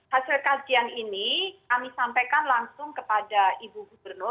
hasil kajian ini kami sampaikan langsung kepada ibu gubernur